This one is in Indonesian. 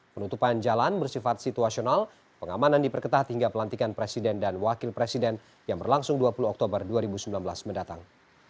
penutupan jalan bersifat situasional pengamanan diperketat hingga pelantikan presiden dan wakil presiden yang berlangsung dua puluh oktober dua ribu sembilan belas mendatang